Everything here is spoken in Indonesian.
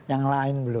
yang lain belum